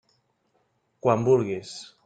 Quan vulguis.